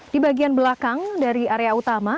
di bagian belakang dari area utama